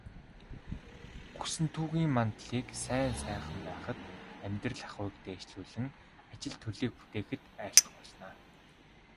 Гүсэнтүгийн мандлыг сайн сайхан байхад, амьдрал ахуйг дээшлүүлэн, ажил төрлийг бүтээхэд айлтгуулна.